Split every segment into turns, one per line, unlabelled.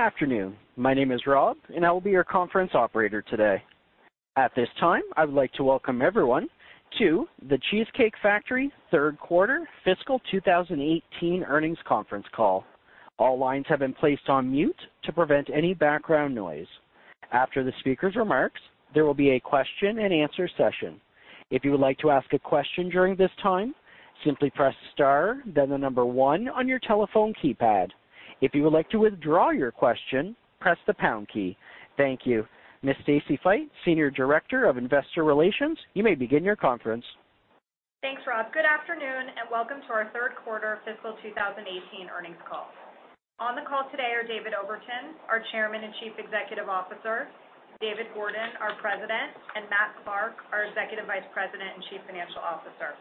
Good afternoon. My name is Rob, and I will be your conference operator today. At this time, I would like to welcome everyone to The Cheesecake Factory third quarter fiscal 2018 earnings conference call. All lines have been placed on mute to prevent any background noise. After the speaker's remarks, there will be a question and answer session. If you would like to ask a question during this time, simply press star then the number 1 on your telephone keypad. If you would like to withdraw your question, press the pound key. Thank you. Ms. Stacy Feit, Senior Director of Investor Relations, you may begin your conference.
Thanks, Rob. Good afternoon. Welcome to our third quarter fiscal 2018 earnings call. On the call today are David Overton, our Chairman and Chief Executive Officer, David Gordon, our President, Matthew Clark, our Executive Vice President and Chief Financial Officer.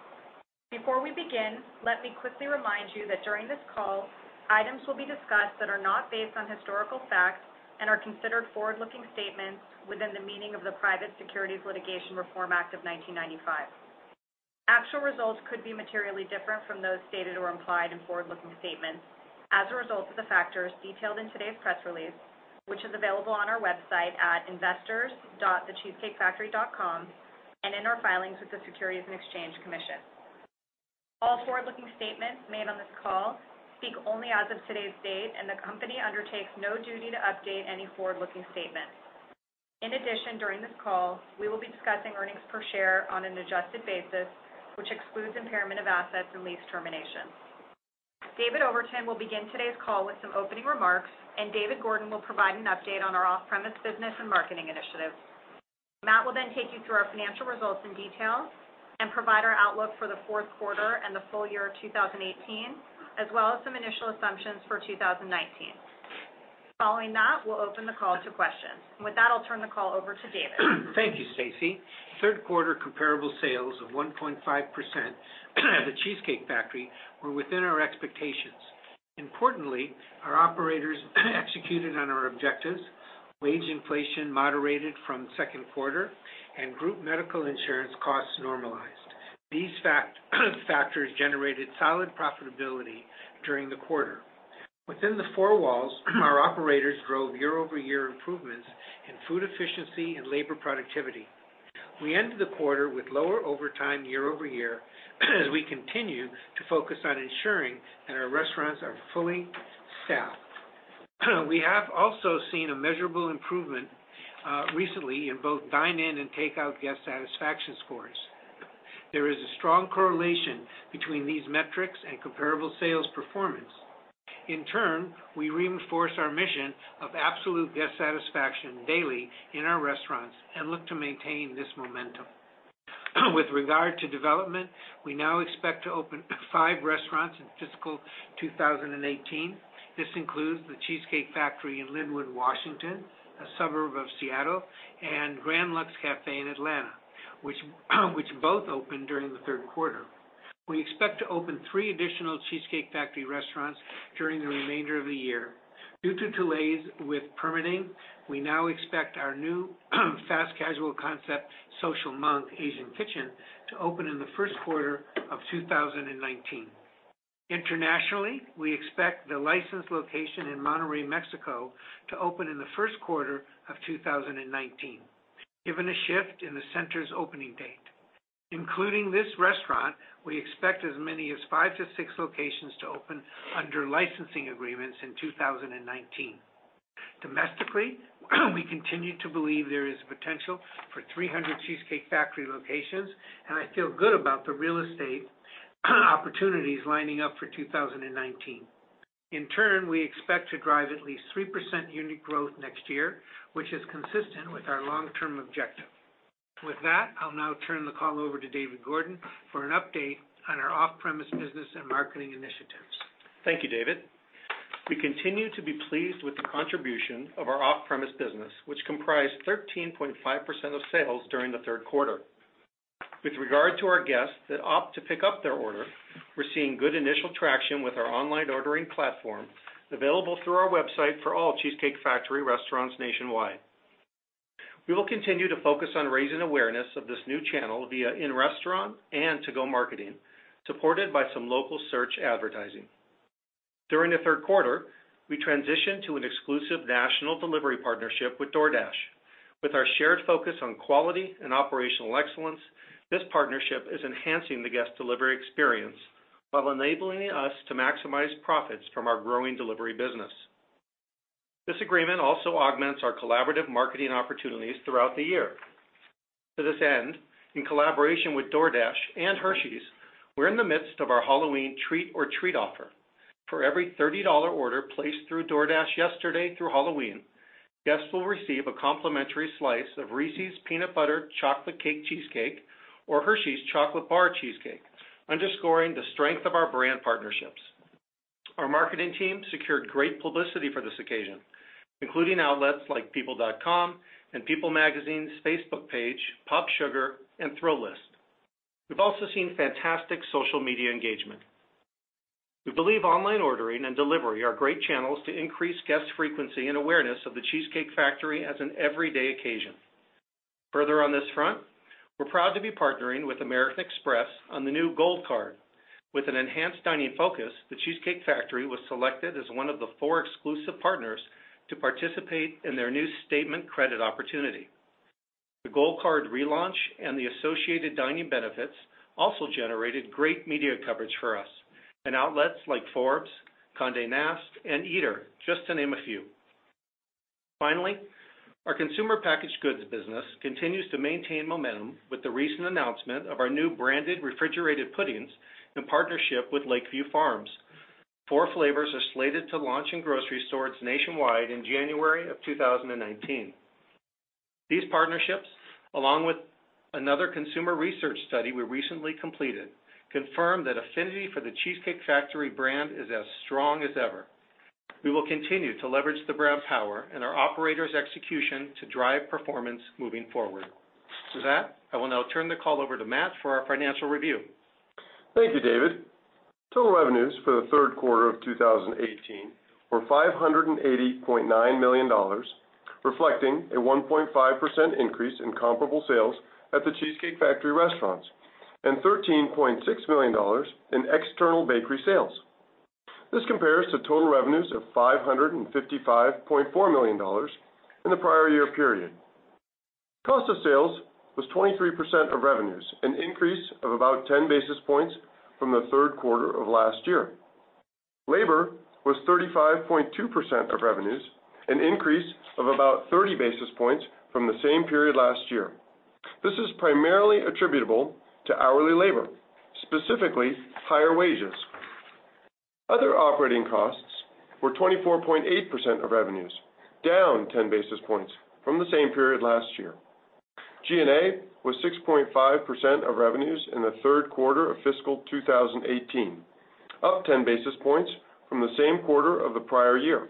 Before we begin, let me quickly remind you that during this call, items will be discussed that are not based on historical facts and are considered forward-looking statements within the meaning of the Private Securities Litigation Reform Act of 1995. Actual results could be materially different from those stated or implied in forward-looking statements as a result of the factors detailed in today's press release, which is available on our website at investors.thecheesecakefactory.com, in our filings with the Securities and Exchange Commission. All forward-looking statements made on this call speak only as of today's date, the company undertakes no duty to update any forward-looking statements. In addition, during this call, we will be discussing earnings per share on an adjusted basis, which excludes impairment of assets and lease termination. David Overton will begin today's call with some opening remarks, David Gordon will provide an update on our off-premise business and marketing initiatives. Matt will then take you through our financial results in detail and provide our outlook for the fourth quarter and the full year of 2018, as well as some initial assumptions for 2019. Following that, we'll open the call to questions. With that, I'll turn the call over to David.
Thank you, Stacy. Third quarter comparable sales of 1.5% at The Cheesecake Factory were within our expectations. Importantly, our operators executed on our objectives, wage inflation moderated from second quarter, group medical insurance costs normalized. These factors generated solid profitability during the quarter. Within the four walls, our operators drove year-over-year improvements in food efficiency and labor productivity. We ended the quarter with lower overtime year-over-year as we continue to focus on ensuring that our restaurants are fully staffed. We have also seen a measurable improvement recently in both dine-in and takeout guest satisfaction scores. There is a strong correlation between these metrics and comparable sales performance. In turn, we reinforce our mission of absolute guest satisfaction daily in our restaurants, look to maintain this momentum. With regard to development, we now expect to open five restaurants in fiscal 2018. This includes The Cheesecake Factory in Lynnwood, Washington, a suburb of Seattle, and Grand Lux Cafe in Atlanta, which both opened during the third quarter. We expect to open three additional Cheesecake Factory restaurants during the remainder of the year. Due to delays with permitting, we now expect our new fast casual concept, Social Monk Asian Kitchen, to open in the first quarter of 2019. Internationally, we expect the licensed location in Monterrey, Mexico, to open in the first quarter of 2019, given a shift in the center's opening date. Including this restaurant, we expect as many as five to six locations to open under licensing agreements in 2019. Domestically, we continue to believe there is potential for 300 Cheesecake Factory locations, and I feel good about the real estate opportunities lining up for 2019. In turn, we expect to drive at least 3% unit growth next year, which is consistent with our long-term objective. With that, I'll now turn the call over to David Gordon for an update on our off-premise business and marketing initiatives.
Thank you, David. We continue to be pleased with the contribution of our off-premise business, which comprised 13.5% of sales during the third quarter. With regard to our guests that opt to pick up their order, we're seeing good initial traction with our online ordering platform, available through our website for all Cheesecake Factory restaurants nationwide. We will continue to focus on raising awareness of this new channel via in-restaurant and to-go marketing, supported by some local search advertising. During the third quarter, we transitioned to an exclusive national delivery partnership with DoorDash. With our shared focus on quality and operational excellence, this partnership is enhancing the guest delivery experience while enabling us to maximize profits from our growing delivery business. This agreement also augments our collaborative marketing opportunities throughout the year. To this end, in collaboration with DoorDash and Hershey's, we're in the midst of our Halloween Treat or Treat offer. For every $30 order placed through DoorDash yesterday through Halloween, guests will receive a complimentary slice of Reese's Peanut Butter Chocolate Cake Cheesecake or Hershey's Chocolate Bar Cheesecake, underscoring the strength of our brand partnerships. Our marketing team secured great publicity for this occasion, including outlets like people.com and People Magazine's Facebook page, PopSugar, and Thrillist. We've also seen fantastic social media engagement. We believe online ordering and delivery are great channels to increase guest frequency and awareness of The Cheesecake Factory as an everyday occasion. Further on this front, we're proud to be partnering with American Express on the new Gold Card. With an enhanced dining focus, The Cheesecake Factory was selected as one of the four exclusive partners to participate in their new statement credit opportunity. The Gold Card relaunch and the associated dining benefits also generated great media coverage for us in outlets like Forbes, Condé Nast, and Eater, just to name a few. Finally, our consumer packaged goods business continues to maintain momentum with the recent announcement of our new branded refrigerated puddings in partnership with Lakeview Farms. Four flavors are slated to launch in grocery stores nationwide in January of 2019. These partnerships, along with another consumer research study we recently completed, confirmed that affinity for The Cheesecake Factory brand is as strong as ever. We will continue to leverage the brand power and our operators' execution to drive performance moving forward. With that, I will now turn the call over to Matt for our financial review.
Thank you, David. Total revenues for the third quarter of 2018 were $580.9 million, reflecting a 1.5% increase in comparable sales at The Cheesecake Factory restaurants, and $13.6 million in external bakery sales. This compares to total revenues of $555.4 million in the prior year period. Cost of sales was 23% of revenues, an increase of about 10 basis points from the third quarter of last year. Labor was 35.2% of revenues, an increase of about 30 basis points from the same period last year. This is primarily attributable to hourly labor, specifically higher wages. Other operating costs were 24.8% of revenues, down 10 basis points from the same period last year. G&A was 6.5% of revenues in the third quarter of fiscal 2018, up 10 basis points from the same quarter of the prior year.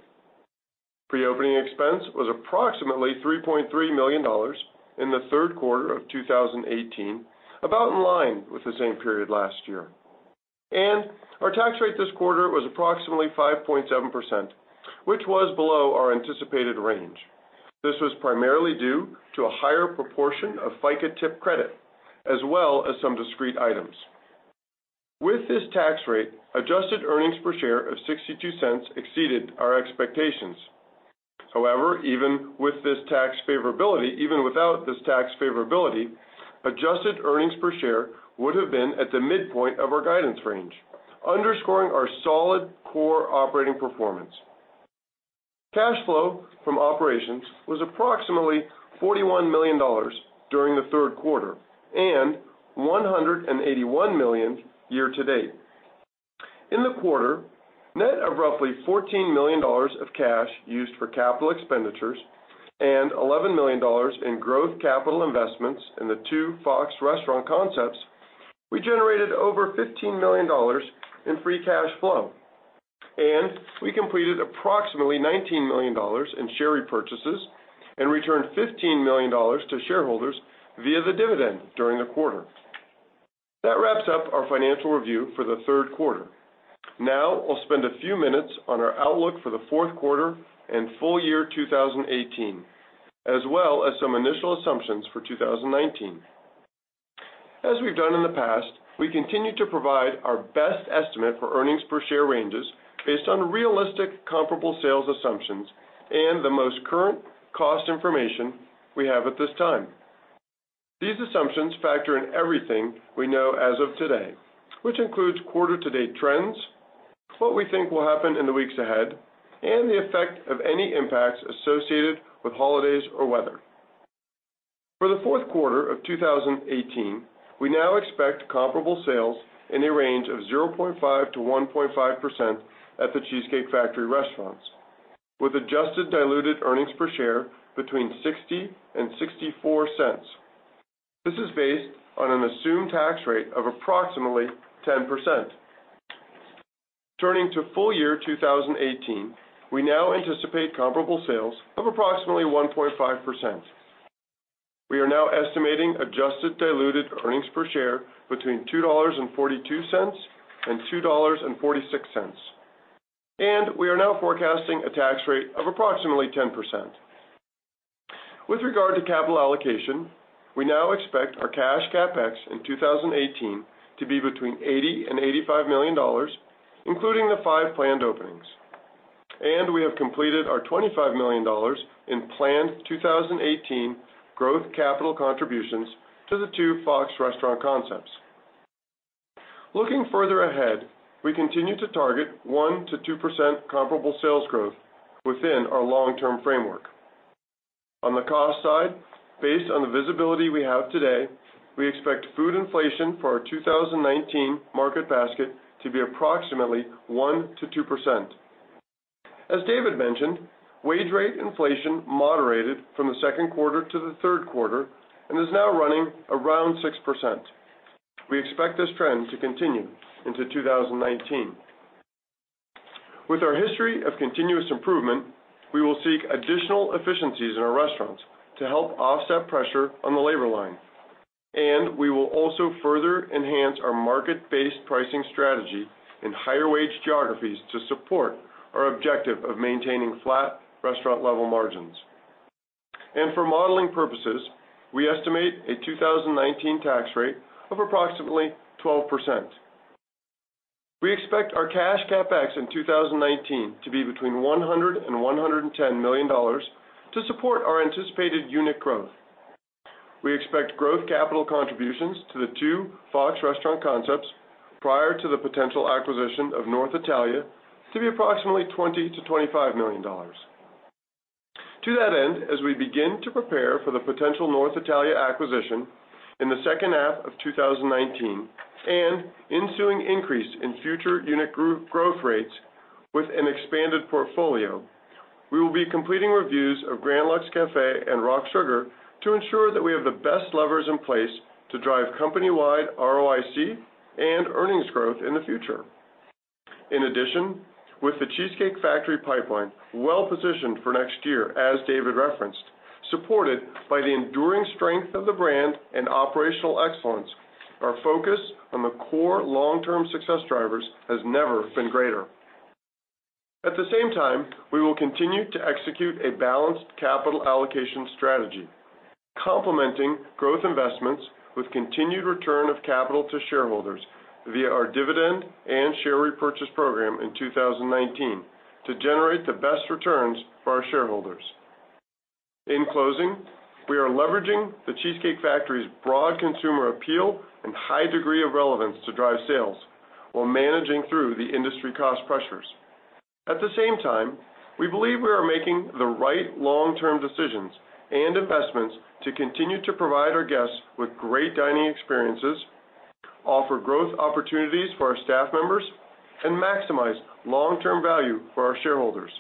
Pre-opening expense was approximately $3.3 million in the third quarter of 2018, about in line with the same period last year. Our tax rate this quarter was approximately 5.7%, which was below our anticipated range. This was primarily due to a higher proportion of FICA tip credit, as well as some discrete items. With this tax rate, adjusted earnings per share of $0.62 exceeded our expectations. However, even without this tax favorability, adjusted earnings per share would have been at the midpoint of our guidance range, underscoring our solid core operating performance. Cash flow from operations was approximately $41 million during the third quarter, and $181 million year to date. In the quarter, net of roughly $14 million of cash used for capital expenditures and $11 million in growth capital investments in the two Fox Restaurant Concepts, we generated over $15 million in free cash flow, and we completed approximately $19 million in share repurchases and returned $15 million to shareholders via the dividend during the quarter. That wraps up our financial review for the third quarter. Now, I'll spend a few minutes on our outlook for the fourth quarter and full year 2018, as well as some initial assumptions for 2019. As we've done in the past, we continue to provide our best estimate for earnings per share ranges based on realistic comparable sales assumptions and the most current cost information we have at this time. These assumptions factor in everything we know as of today, which includes quarter-to-date trends, what we think will happen in the weeks ahead, and the effect of any impacts associated with holidays or weather. For the fourth quarter of 2018, we now expect comparable sales in a range of 0.5%-1.5% at The Cheesecake Factory restaurants, with adjusted diluted earnings per share between $0.60 and $0.64. This is based on an assumed tax rate of approximately 10%. Turning to full year 2018, we now anticipate comparable sales of approximately 1.5%. We are now estimating adjusted diluted earnings per share between $2.42 and $2.46, and we are now forecasting a tax rate of approximately 10%. With regard to capital allocation, we now expect our cash CapEx in 2018 to be between $80 million and $85 million, including the five planned openings. We have completed our $25 million in planned 2018 growth capital contributions to the two Fox Restaurant Concepts. Looking further ahead, we continue to target 1%-2% comparable sales growth within our long-term framework. On the cost side, based on the visibility we have today, we expect food inflation for our 2019 market basket to be approximately 1%-2%. As David mentioned, wage rate inflation moderated from the second quarter to the third quarter and is now running around 6%. We expect this trend to continue into 2019. With our history of continuous improvement, we will seek additional efficiencies in our restaurants to help offset pressure on the labor line. We will also further enhance our market-based pricing strategy in higher-wage geographies to support our objective of maintaining flat restaurant-level margins. For modeling purposes, we estimate a 2019 tax rate of approximately 12%. We expect our cash CapEx in 2019 to be between $100 million and $110 million to support our anticipated unit growth. We expect growth capital contributions to the two Fox Restaurant Concepts prior to the potential acquisition of North Italia to be approximately $20 million-$25 million. To that end, as we begin to prepare for the potential North Italia acquisition in the second half of 2019 and ensuing increase in future unit growth rates with an expanded portfolio, we will be completing reviews of Grand Lux Cafe and RockSugar to ensure that we have the best levers in place to drive company-wide ROIC and earnings growth in the future. In addition, with The Cheesecake Factory pipeline well-positioned for next year, as David referenced, supported by the enduring strength of the brand and operational excellence, our focus on the core long-term success drivers has never been greater. At the same time, we will continue to execute a balanced capital allocation strategy, complementing growth investments with continued return of capital to shareholders via our dividend and share repurchase program in 2019 to generate the best returns for our shareholders. In closing, we are leveraging The Cheesecake Factory's broad consumer appeal and high degree of relevance to drive sales while managing through the industry cost pressures. At the same time, we believe we are making the right long-term decisions and investments to continue to provide our guests with great dining experiences, offer growth opportunities for our staff members, and maximize long-term value for our shareholders.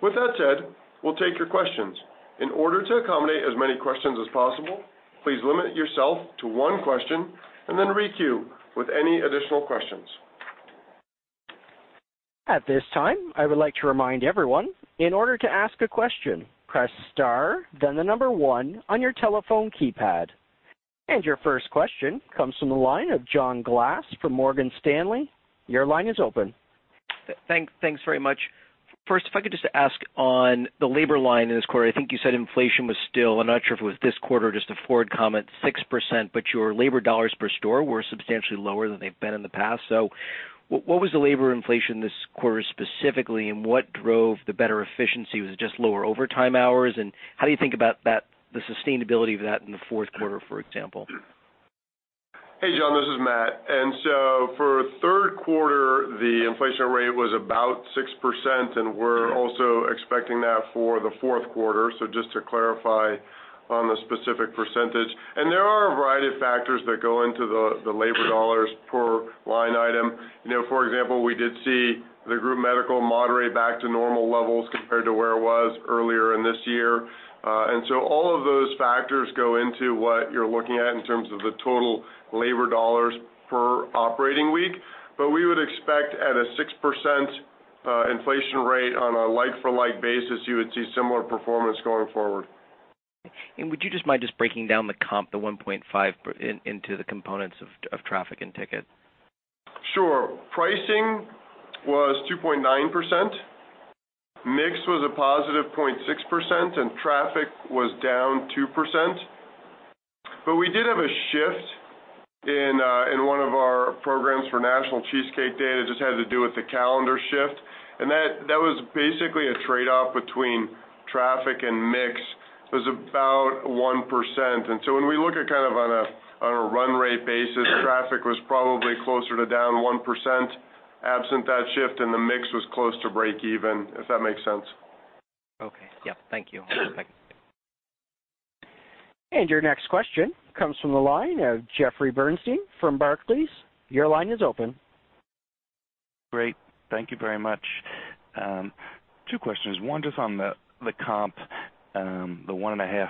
With that said, we'll take your questions. In order to accommodate as many questions as possible, please limit yourself to one question and then re-queue with any additional questions.
At this time, I would like to remind everyone, in order to ask a question, press star then the number one on your telephone keypad. Your first question comes from the line of John Glass from Morgan Stanley. Your line is open.
Thanks very much. First, if I could just ask on the labor line in this quarter, I think you said inflation was still, I am not sure if it was this quarter or just a forward comment, 6%, but your labor dollars per store were substantially lower than they have been in the past. What was the labor inflation this quarter specifically, and what drove the better efficiency? Was it just lower overtime hours? How do you think about the sustainability of that in the fourth quarter, for example?
Hey, John, this is Matt. For third quarter, the inflation rate was about 6%, and we are also expecting that for the fourth quarter. Just to clarify on the specific percentage. There are a variety of factors that go into the labor dollars per line item. For example, we did see the group medical moderate back to normal levels compared to where it was earlier in this year. All of those factors go into what you are looking at in terms of the total labor dollars per operating week. We would expect at a 6% inflation rate on a like-for-like basis, you would see similar performance going forward.
Would you just mind breaking down the comp, the 1.5%, into the components of traffic and ticket?
Sure. Pricing was 2.9%, mix was a positive 0.6%, and traffic was down 2%. We did have a shift in one of our programs for National Cheesecake Day that just had to do with the calendar shift. That was basically a trade-off between traffic and mix. It was about 1%. When we look at kind of on a run rate basis, traffic was probably closer to down 1% absent that shift, and the mix was close to breakeven, if that makes sense.
Okay. Yeah. Thank you.
Your next question comes from the line of Jeffrey Bernstein from Barclays. Your line is open.
Great. Thank you very much. Two questions. One, just on the comp, the 1.5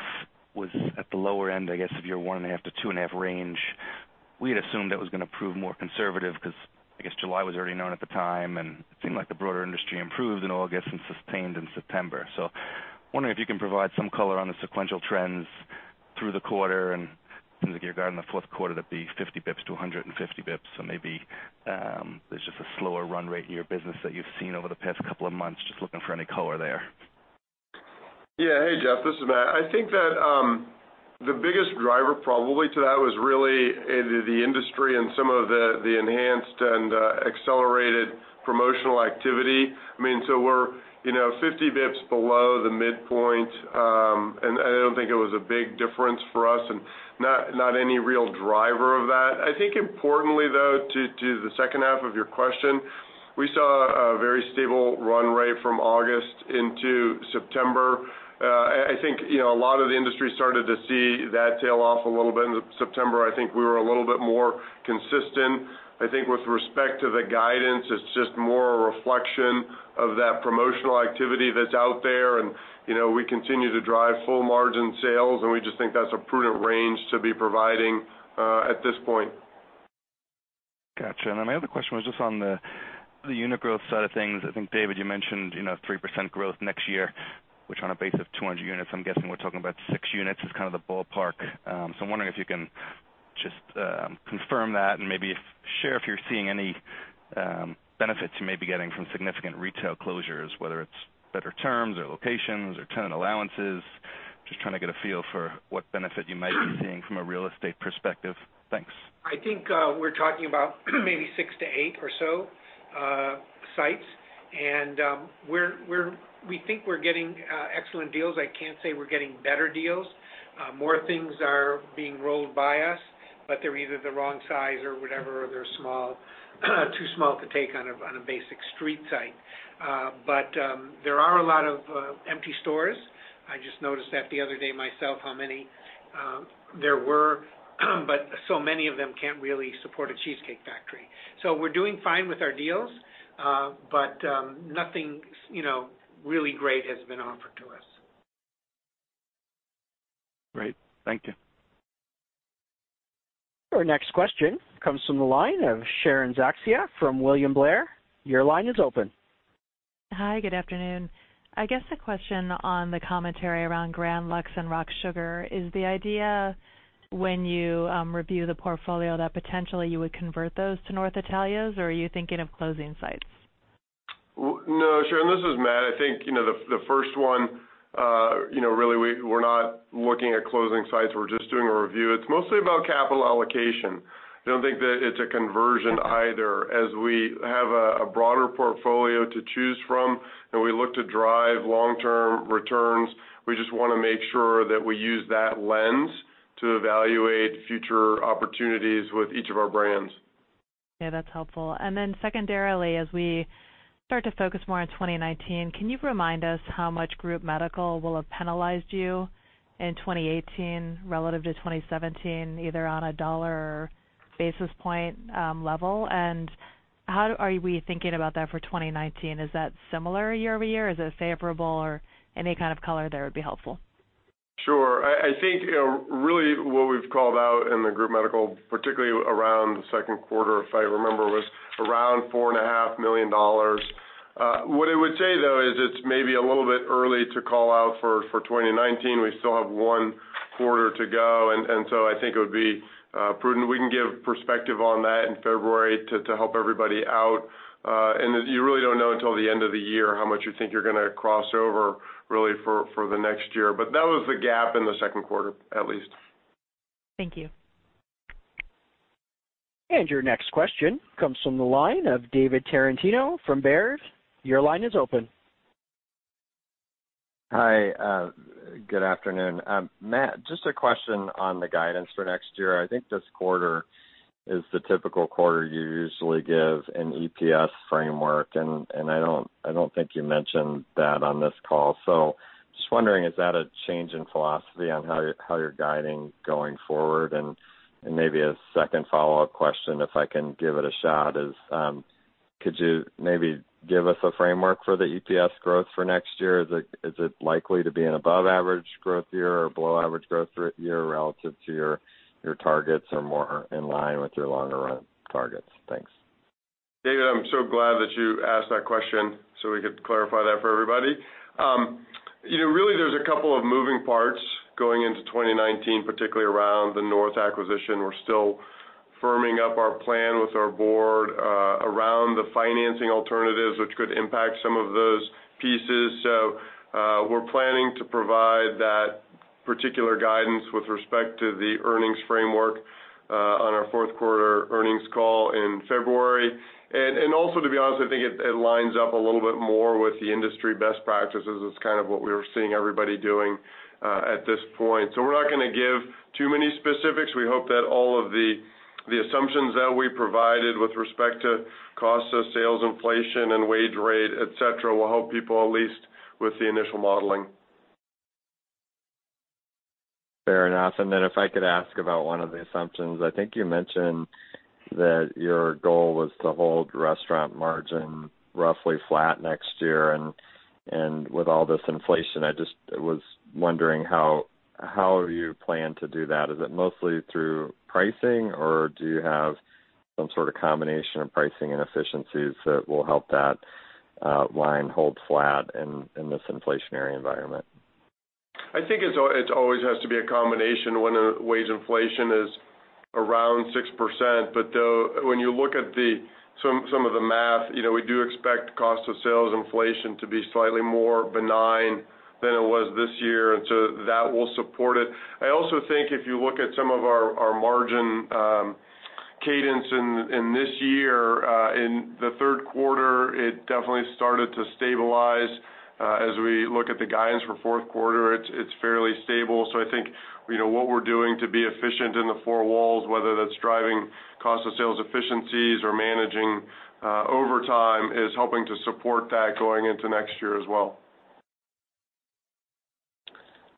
was at the lower end, I guess, of your 1.5-2.5 range. We had assumed that was going to prove more conservative because I guess July was already known at the time, and it seemed like the broader industry improved in August and sustained in September. Wondering if you can provide some color on the sequential trends through the quarter and some of your guidance in the fourth quarter that be 50 basis points to 150 basis points. Maybe there's just a slower run rate in your business that you've seen over the past couple of months. Just looking for any color there.
Hey, Jeff, this is Matt. I think that the biggest driver probably to that was really the industry and some of the enhanced and accelerated promotional activity. We're 50 bps below the midpoint, and I don't think it was a big difference for us and not any real driver of that. I think importantly, though, to the second half of your question, we saw a very stable run rate from August into September. I think a lot of the industry started to see that tail off a little bit in September. I think we were a little bit more consistent. I think with respect to the guidance, it's just more a reflection of that promotional activity that's out there, and we continue to drive full margin sales, and we just think that's a prudent range to be providing at this point.
Got you. My other question was just on the unit growth side of things. I think, David, you mentioned 3% growth next year, which on a base of 200 units, I'm guessing we're talking about six units, is kind of the ballpark. I'm wondering if you can just confirm that and maybe share if you're seeing any benefits you may be getting from significant retail closures, whether it's better terms or locations or tenant allowances. Just trying to get a feel for what benefit you might be seeing from a real estate perspective. Thanks.
I think we're talking about maybe six to eight or so sites. We think we're getting excellent deals. I can't say we're getting better deals. More things are being rolled by us, but they're either the wrong size or whatever, or they're too small to take on a basic street site. There are a lot of empty stores. I just noticed that the other day myself, how many there were. So many of them can't really support a Cheesecake Factory. We're doing fine with our deals. Nothing really great has been offered to us.
Great. Thank you.
Our next question comes from the line of Sharon Zackfia from William Blair. Your line is open.
Hi, good afternoon. I guess a question on the commentary around Grand Lux and RockSugar. Is the idea when you review the portfolio, that potentially you would convert those to North Italia's, or are you thinking of closing sites?
No, Sharon, this is Matt. I think, the first one, really, we're not looking at closing sites. We're just doing a review. It's mostly about capital allocation. I don't think that it's a conversion either. As we have a broader portfolio to choose from and we look to drive long-term returns, we just want to make sure that we use that lens to evaluate future opportunities with each of our brands.
Yeah, that's helpful. Secondarily, as we start to focus more on 2019, can you remind us how much Group Medical will have penalized you in 2018 relative to 2017, either on a dollar basis point level? How are we thinking about that for 2019? Is that similar year-over-year? Is it favorable or any kind of color there would be helpful.
Sure. I think, really what we've called out in the Group Medical, particularly around the second quarter, if I remember, was around $4.5 million. What I would say, though, is it's maybe a little bit early to call out for 2019. We still have one quarter to go. I think it would be prudent. We can give perspective on that in February to help everybody out. You really don't know until the end of the year how much you think you're going to cross over really for the next year. That was the gap in the second quarter, at least.
Thank you.
Your next question comes from the line of David Tarantino from Baird. Your line is open.
Hi, good afternoon. Matt, just a question on the guidance for next year. I think this quarter is the typical quarter you usually give an EPS framework. I don't think you mentioned that on this call. Just wondering, is that a change in philosophy on how you're guiding going forward? Maybe a second follow-up question, if I can give it a shot, is could you maybe give us a framework for the EPS growth for next year? Is it likely to be an above average growth year or below average growth year relative to your targets, or more in line with your longer run targets? Thanks.
David, I'm so glad that you asked that question so we could clarify that for everybody. Really, there's a couple of moving parts going into 2019, particularly around the North acquisition. We're still firming up our plan with our board around the financing alternatives, which could impact some of those pieces. We're planning to provide that particular guidance with respect to the earnings framework on our fourth quarter earnings call in February. Also, to be honest, I think it lines up a little bit more with the industry best practices. It's kind of what we're seeing everybody doing at this point. We're not going to give too many specifics. We hope that all of the assumptions that we provided with respect to cost of sales inflation and wage rate, et cetera, will help people, at least with the initial modeling.
Fair enough. Then if I could ask about one of the assumptions, I think you mentioned that your goal was to hold restaurant margin roughly flat next year. With all this inflation, I just was wondering how you plan to do that. Is it mostly through pricing, or do you have some sort of combination of pricing and efficiencies that will help that line hold flat in this inflationary environment?
I think it always has to be a combination when wage inflation is around 6%. When you look at some of the math, we do expect cost of sales inflation to be slightly more benign than it was this year, and so that will support it. I also think if you look at some of our margin cadence in this year, in the third quarter, it definitely started to stabilize. As we look at the guidance for fourth quarter, it's fairly stable. I think what we're doing to be efficient in the four walls, whether that's driving cost of sales efficiencies or managing overtime, is helping to support that going into next year as well.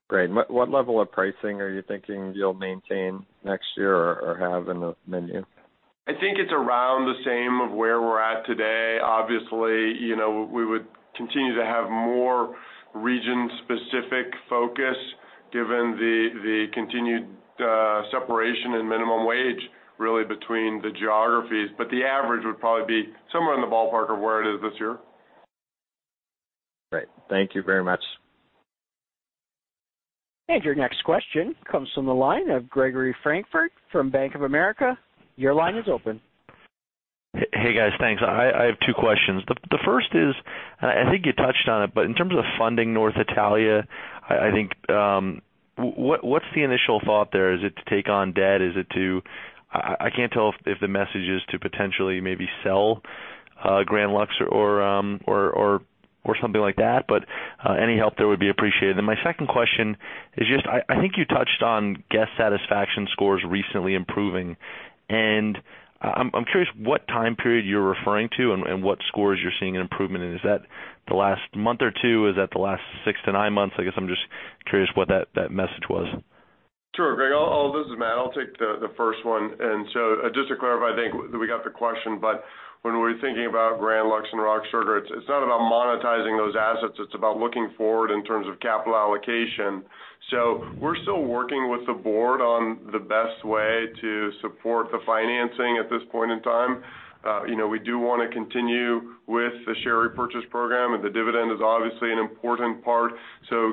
Great. What level of pricing are you thinking you'll maintain next year or have in the menu?
I think it's around the same of where we're at today. Obviously, we would continue to have more region-specific focus given the continued separation in minimum wage, really between the geographies. The average would probably be somewhere in the ballpark of where it is this year.
Great. Thank you very much.
Your next question comes from the line of Gregory Francfort from Bank of America. Your line is open.
Hey, guys. Thanks. I have two questions. The first is, I think you touched on it, in terms of funding North Italia, what's the initial thought there? Is it to take on debt? I can't tell if the message is to potentially maybe sell Grand Lux or something like that, any help there would be appreciated. My second question is just, I think you touched on guest satisfaction scores recently improving, and I'm curious what time period you're referring to and what scores you're seeing an improvement in. Is that the last month or two? Is that the last six to nine months? I guess I'm just curious what that message was.
Sure, Greg. This is Matt. I'll take the first one. Just to clarify, I think that we got the question, but when we're thinking about Grand Lux and RockSugar, it's not about monetizing those assets, it's about looking forward in terms of capital allocation. We're still working with the board on the best way to support the financing at this point in time. We do want to continue with the share repurchase program, and the dividend is obviously an important part.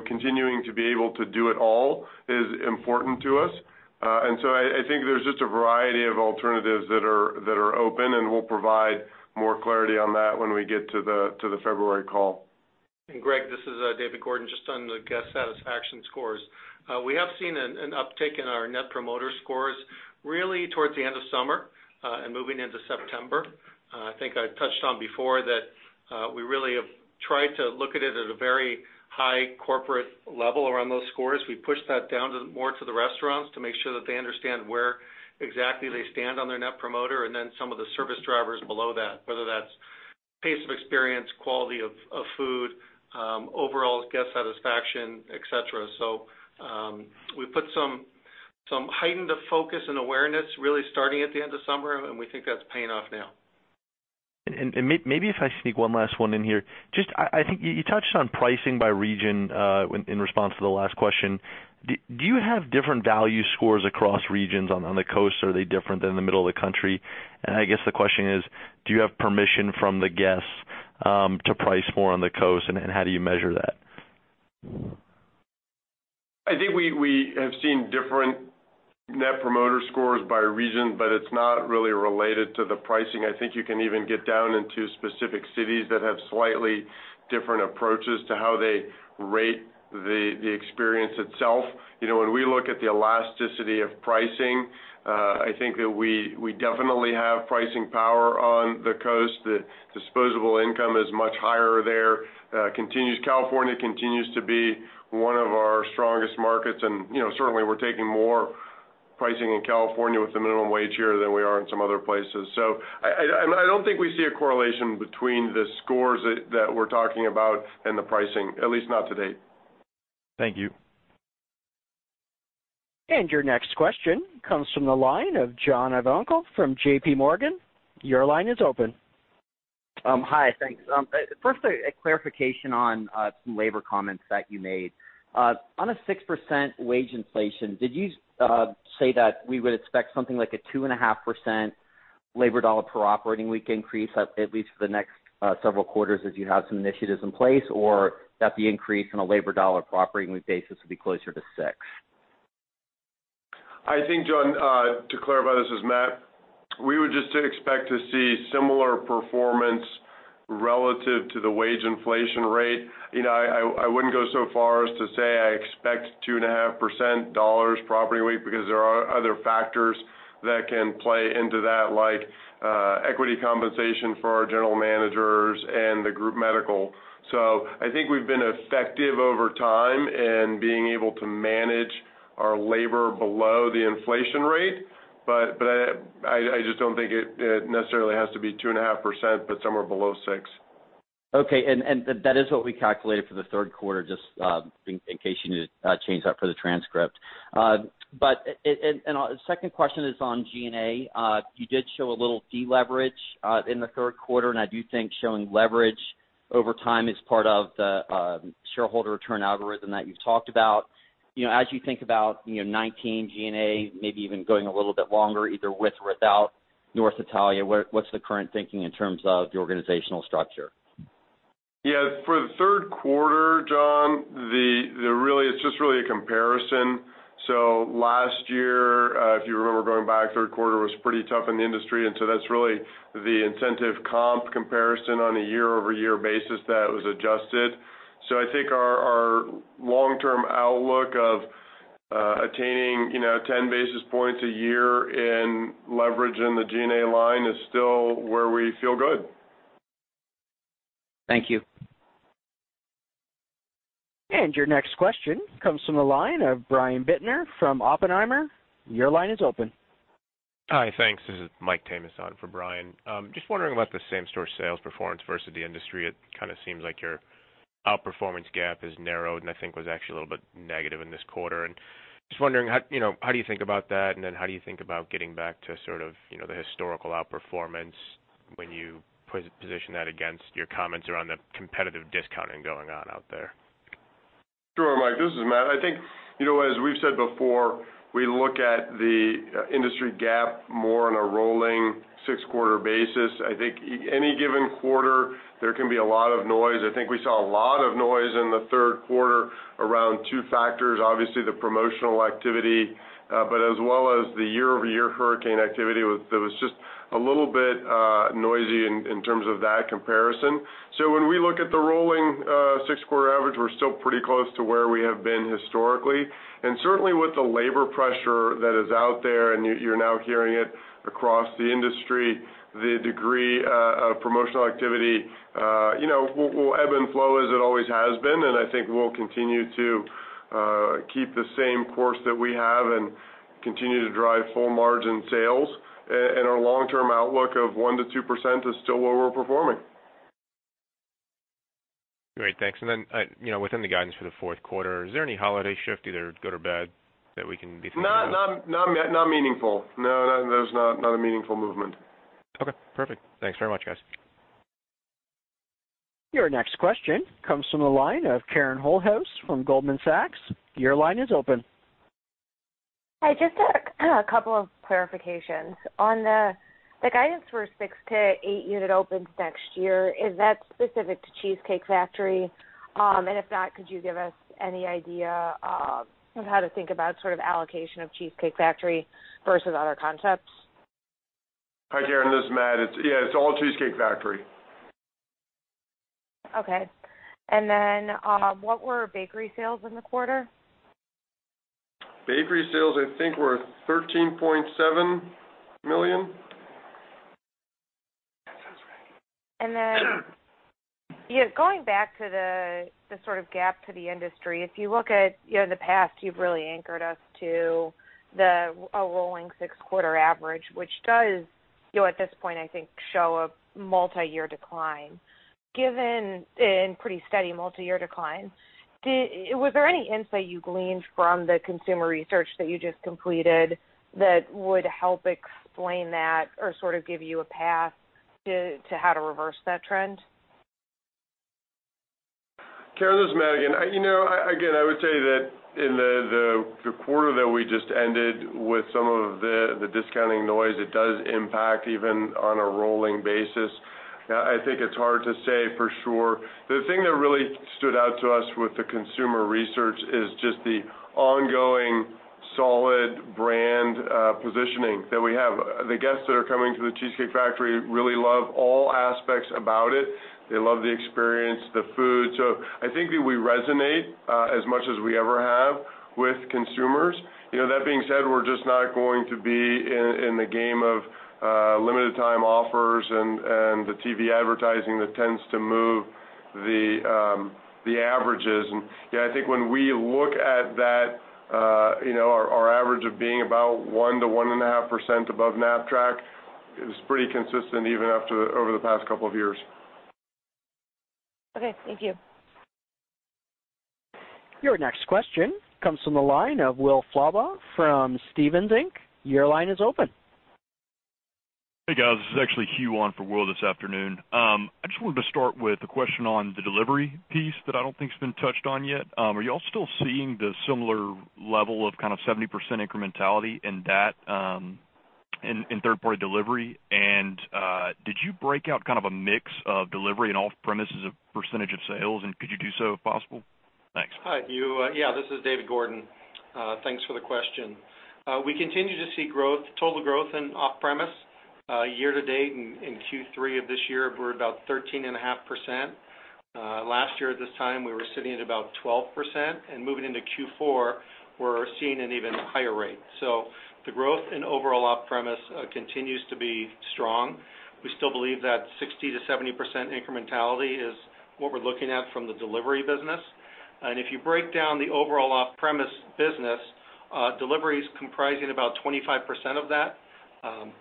Continuing to be able to do it all is important to us. I think there's just a variety of alternatives that are open, and we'll provide more clarity on that when we get to the February call.
Greg, this is David Gordon. Just on the guest satisfaction scores. We have seen an uptick in our net promoter scores, really towards the end of summer, and moving into September. I think I've touched on before that we really have tried to look at it at a very high corporate level around those scores. We've pushed that down more to the restaurants to make sure that they understand where exactly they stand on their net promoter, and then some of the service drivers below that, whether that's pace of experience, quality of food, overall guest satisfaction, et cetera. We've put some heightened focus and awareness really starting at the end of summer, and we think that's paying off now.
Maybe if I sneak one last one in here. Just, I think you touched on pricing by region, in response to the last question. Do you have different value scores across regions on the coast? Are they different than the middle of the country? I guess the question is, do you have permission from the guests to price more on the coast, and how do you measure that?
I think we have seen different net promoter scores by region, but it's not really related to the pricing. I think you can even get down into specific cities that have slightly different approaches to how they rate the experience itself. When we look at the elasticity of pricing, I think that we definitely have pricing power on the coast. The disposable income is much higher there. California continues to be one of our strongest markets, and certainly, we're taking more pricing in California with the minimum wage here than we are in some other places. I don't think we see a correlation between the scores that we're talking about and the pricing, at least not to date.
Thank you.
Your next question comes from the line of Jon Tower from J.P. Morgan. Your line is open.
Hi. Thanks. First, a clarification on some labor comments that you made. On a 6% wage inflation, did you say that we would expect something like a 2.5% labor dollar per operating week increase at least for the next several quarters as you have some initiatives in place, or that the increase in a labor dollar per operating week basis would be closer to six?
I think, Jon, to clarify, this is Matt. We would just expect to see similar performance relative to the wage inflation rate. I wouldn't go so far as to say I expect 2.5% dollars per operating week because there are other factors that can play into that, like equity compensation for our general managers and the group medical. I think we've been effective over time in being able to manage our labor below the inflation rate. I just don't think it necessarily has to be 2.5%, but somewhere below six.
That is what we calculated for the third quarter, just in case you need to change that for the transcript. Second question is on G&A. You did show a little deleverage in the third quarter, and I do think showing leverage over time is part of the shareholder return algorithm that you've talked about. As you think about 2019 G&A, maybe even going a little bit longer, either with or without North Italia, what's the current thinking in terms of the organizational structure?
Yeah. For the third quarter, John, it's just really a comparison. Last year, if you remember going back, third quarter was pretty tough in the industry, that's really the incentive comp comparison on a year-over-year basis that was adjusted. I think our long-term outlook of attaining 10 basis points a year in leverage in the G&A line is still where we feel good.
Thank you.
Your next question comes from the line of Brian Bittner from Oppenheimer. Your line is open.
Hi. Thanks. This is Michael Tamas on for Brian. Just wondering about the same-store sales performance versus the industry. The outperformance gap has narrowed, and actually was a little bit negative in this quarter. Just wondering, how do you think about that, and how do you think about getting back to sort of the historical outperformance? When you position that against your comments around the competitive discounting going on out there.
Sure, Mike, this is Matt. As we've said before, we look at the industry gap more on a rolling six-quarter basis. Any given quarter, there can be a lot of noise. We saw a lot of noise in the third quarter around two factors, obviously the promotional activity, but as well as the year-over-year hurricane activity that was just a little bit noisy in terms of that comparison. When we look at the rolling six-quarter average, we're still pretty close to where we have been historically. Certainly with the labor pressure that is out there, and you're now hearing it across the industry, the degree of promotional activity will ebb and flow as it always has been. We'll continue to keep the same course that we have and continue to drive full margin sales. Our long-term outlook of 1%-2% is still where we're performing.
Great. Thanks. Then, within the guidance for the fourth quarter, is there any holiday shift, either good or bad, that we can be thinking of?
Not meaningful. No, there's not a meaningful movement.
Okay, perfect. Thanks very much, guys.
Your next question comes from the line of Karen Holthouse from Goldman Sachs. Your line is open.
Hi, just a couple of clarifications. On the guidance for 6-8 unit opens next year, is that specific to The Cheesecake Factory? If not, could you give us any idea of how to think about allocation of The Cheesecake Factory versus other concepts?
Hi, Karen, this is Matt. It's all The Cheesecake Factory.
Okay. What were bakery sales in the quarter?
Bakery sales, I think were $13.7 million.
Going back to the sort of gap to the industry. If you look at the past, you've really anchored us to a rolling six-quarter average, which does, at this point, I think, show a multi-year decline. Given a pretty steady multi-year decline, was there any insight you gleaned from the consumer research that you just completed that would help explain that or give you a path to how to reverse that trend?
Karen, this is Matt again. Again, I would say that in the quarter that we just ended with some of the discounting noise, it does impact even on a rolling basis. I think it's hard to say for sure. The thing that really stood out to us with the consumer research is just the ongoing solid brand positioning that we have. The guests that are coming to The Cheesecake Factory really love all aspects about it. They love the experience, the food. I think that we resonate as much as we ever have with consumers. That being said, we're just not going to be in the game of limited time offers and the TV advertising that tends to move the averages. I think when we look at that, our average of being about 1%-1.5% above Knapp-Track is pretty consistent even over the past couple of years.
Okay, thank you.
Your next question comes from the line of William Slabaugh from Stephens Inc. Your line is open.
Hey, guys. This is actually Hugh on for Will this afternoon. I just wanted to start with a question on the delivery piece that I don't think has been touched on yet. Are you all still seeing the similar level of kind of 70% incrementality in third-party delivery? Did you break out a mix of delivery and off-premise as a % of sales, and could you do so if possible? Thanks.
Hi, Hugh. Yeah, this is David Gordon. Thanks for the question. We continue to see total growth in off-premise. Year to date in Q3 of this year, we're about 13.5%. Last year at this time, we were sitting at about 12%. Moving into Q4, we're seeing an even higher rate. The growth in overall off-premise continues to be strong. We still believe that 60%-70% incrementality is what we're looking at from the delivery business. If you break down the overall off-premise business, delivery is comprising about 25% of that.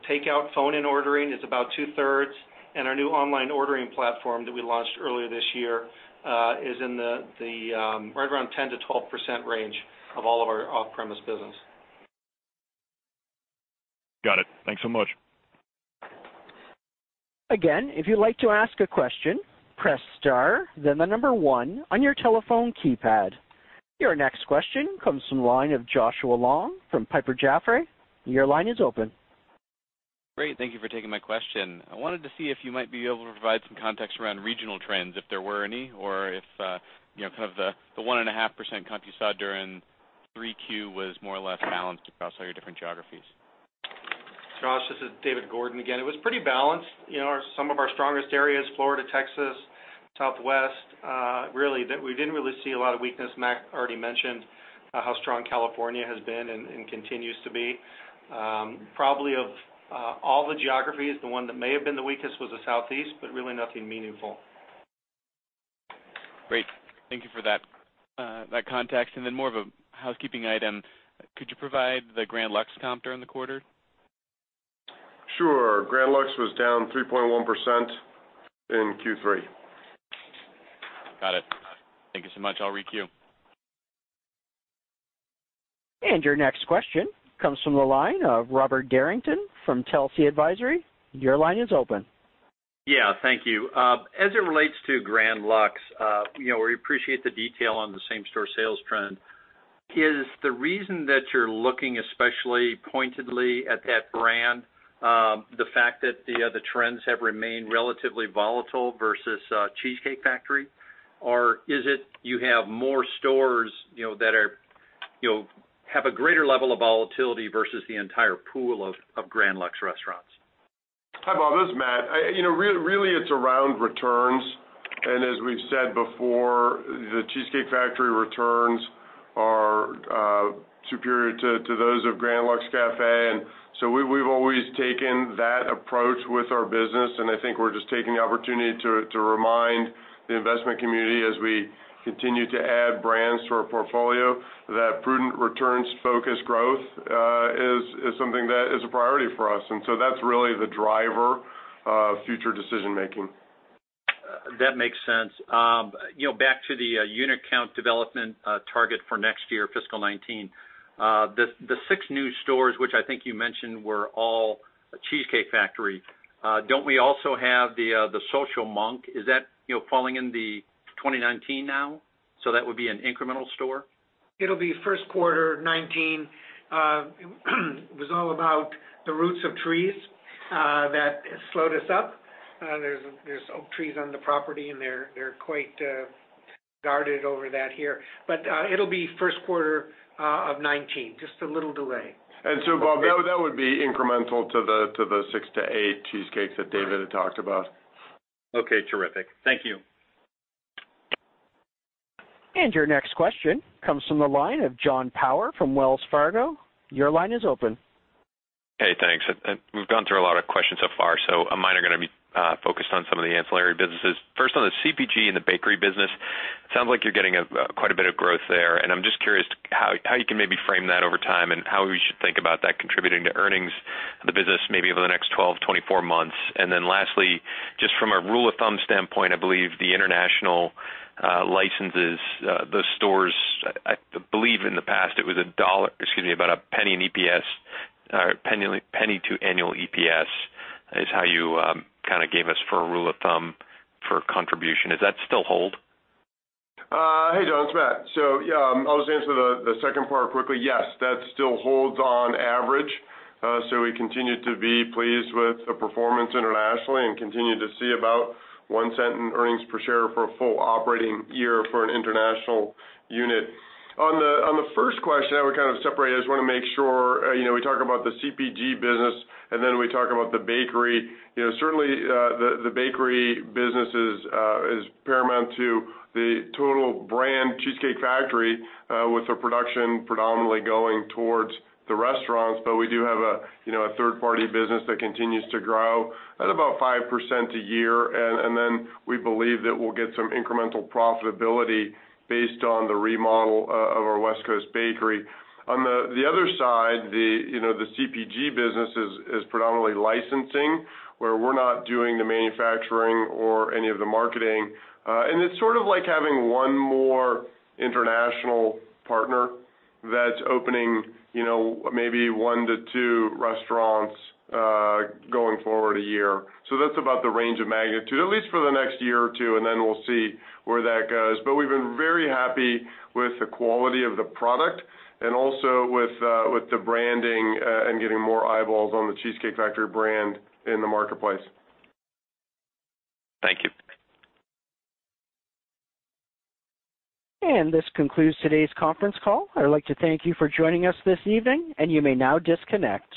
Takeout phone and ordering is about two-thirds. Our new online ordering platform that we launched earlier this year is right around the 10%-12% range of all of our off-premise business.
Got it. Thanks so much.
Again, if you'd like to ask a question, press star then the number one on your telephone keypad. Your next question comes from the line of Joshua Long from Piper Jaffray. Your line is open.
Great. Thank you for taking my question. I wanted to see if you might be able to provide some context around regional trends, if there were any, or if the 1.5% comp you saw during 3Q was more or less balanced across all your different geographies.
Josh, this is David Gordon again. It was pretty balanced. Some of our strongest areas, Florida, Texas, Southwest, really, we didn't really see a lot of weakness. Matt already mentioned how strong California has been and continues to be. Probably of all the geographies, the one that may have been the weakest was the Southeast, really nothing meaningful.
Great. Thank you for that context. Then more of a housekeeping item. Could you provide the Grand Lux comp during the quarter?
Sure. Grand Lux was down 3.1% in Q3.
Got it. Thank you so much. I'll requeue.
Your next question comes from the line of Robert Derrington from Telsey Advisory. Your line is open.
Yeah, thank you. As it relates to Grand Lux, we appreciate the detail on the same-store sales trend. Is the reason that you're looking especially pointedly at that brand the fact that the trends have remained relatively volatile versus Cheesecake Factory? Or is it you have more stores that have a greater level of volatility versus the entire pool of Grand Lux restaurants?
Hi, Bob. This is Matt. Really, it's around returns. As we've said before, The Cheesecake Factory returns are superior to those of Grand Lux Cafe. We've always taken that approach with our business, and I think we're just taking the opportunity to remind the investment community as we continue to add brands to our portfolio, that prudent returns-focused growth is something that is a priority for us. That's really the driver of future decision-making.
That makes sense. Back to the unit count development target for next year, fiscal 2019. The six new stores, which I think you mentioned, were all The Cheesecake Factory. Don't we also have The Social Monk? Is that falling in 2019 now, so that would be an incremental store?
It'll be first quarter 2019. It was all about the roots of trees that slowed us up. There's oak trees on the property, and they're quite guarded over that here. It'll be first quarter of 2019, just a little delay.
Bob, that would be incremental to the six to eight Cheesecakes that David had talked about.
Okay, terrific. Thank you.
Your next question comes from the line of Jon Tower from Wells Fargo. Your line is open.
Hey, thanks. Mine are going to be focused on some of the ancillary businesses. First, on the CPG and the bakery business, sounds like you're getting quite a bit of growth there, and I'm just curious how you can maybe frame that over time and how we should think about that contributing to earnings of the business maybe over the next 12, 24 months. Lastly, just from a rule of thumb standpoint, I believe the international licenses, those stores, I believe in the past it was about $0.01 to annual EPS is how you kind of gave us for a rule of thumb for contribution. Does that still hold?
Hey, John, it's Matt. Yeah, I'll just answer the second part quickly. Yes, that still holds on average. We continue to be pleased with the performance internationally and continue to see about $0.01 in earnings per share for a full operating year for an international unit. On the first question, I would kind of separate it. I just want to make sure, we talk about the CPG business and then we talk about the bakery. Certainly, the bakery business is paramount to the total brand The Cheesecake Factory, with the production predominantly going towards the restaurants. We do have a third-party business that continues to grow at about 5% a year. We believe that we'll get some incremental profitability based on the remodel of our West Coast bakery. On the other side, the CPG business is predominantly licensing, where we're not doing the manufacturing or any of the marketing. It's sort of like having one more international partner that's opening maybe one to two restaurants going forward a year. That's about the range of magnitude, at least for the next year or two, we'll see where that goes. We've been very happy with the quality of the product and also with the branding and getting more eyeballs on The Cheesecake Factory brand in the marketplace.
Thank you.
This concludes today's conference call. I'd like to thank you for joining us this evening, and you may now disconnect.